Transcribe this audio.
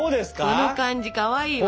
その感じかわいいわ。